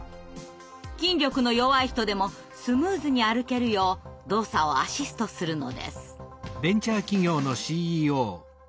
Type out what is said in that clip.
筋力の弱い人でもスムーズに歩けるよう動作をアシストするのです。